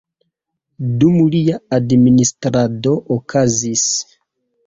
Dum lia administrado okazis;